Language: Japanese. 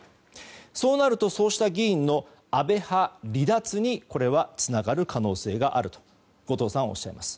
そうなるとそうした議員の安倍派離脱につながる可能性があると後藤さんはおっしゃいます。